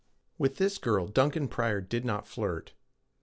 With this girl Duncan Pryor did not flirt.